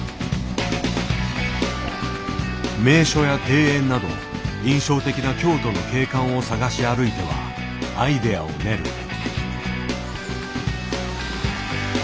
名所や庭園など印象的な京都の景観を探し歩いてはアイデアを練る。